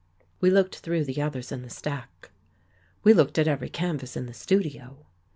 We looked through the others in the stack. We looked at every canvas in the studio.